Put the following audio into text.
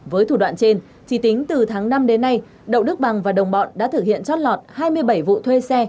với thủ đoạn trên chỉ tính từ tháng năm đến nay đậu đức bằng và đồng bọn đã thực hiện chót lọt hai mươi bảy vụ thuê xe